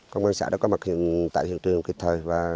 công an xã đã có mặt tại hiện trường kịp thời